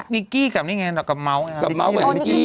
นิกกี้กับนี่ไงกับเมาส์กับเมาส์กับนิกกี้